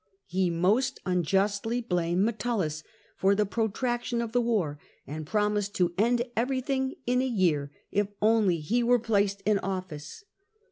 He most unjustly blamed Metellus for the protraction of the war, and promised to end everything in a year if only he were placed in office.